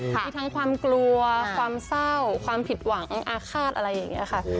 มีทั้งความกลัวความเศร้าความผิดหวังอาฆาตอะไรอย่างนี้ค่ะ